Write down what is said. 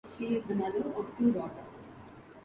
She is the mother of two daughter.